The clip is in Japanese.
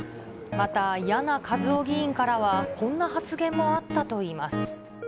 また、簗和生議員からは、こんな発言もあったといいます。